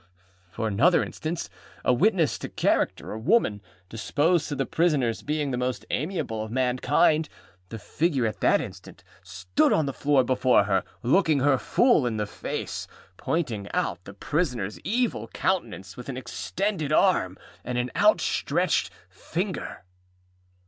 For another instance: a witness to character, a woman, deposed to the prisonerâs being the most amiable of mankind. The figure at that instant stood on the floor before her, looking her full in the face, and pointing out the prisonerâs evil countenance with an extended arm and an outstretched finger.